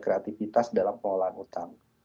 kreativitas dalam pengolahan utang